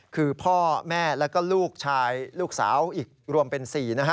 คือพ่อแม่แล้วก็ลูกชายลูกสาวอีกรวมเป็น๔นะฮะ